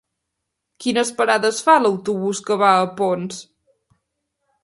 Quines parades fa l'autobús que va a Ponts?